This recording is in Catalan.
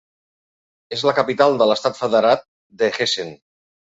És la capital de l'estat federat de Hessen.